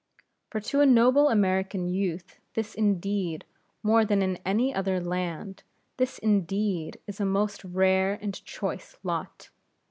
For to a noble American youth this indeed more than in any other land this indeed is a most rare and choice lot.